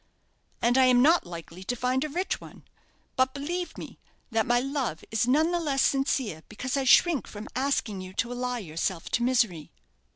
"And I am not likely to find a rich one. But, believe me, that my love is none the less sincere because I shrink from asking you to ally yourself to misery."